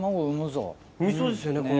産みそうですよね